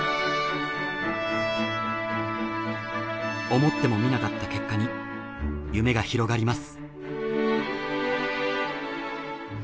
思ってもみなかった結果に夢が広がります。